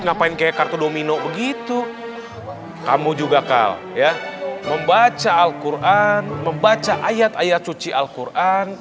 lain kayak kartu domino begitu kamu juga kal ya membaca alquran membaca ayat ayat cuci alquran